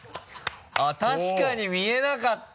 確かに見えなかった。